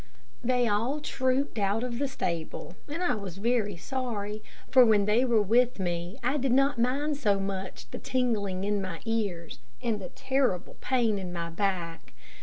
They all trooped out of the stable, and I was very sorry, for when they were with me, I did not mind so much the tingling in my ears, and the terrible pain in my back.